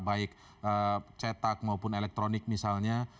baik cetak maupun elektronik misalnya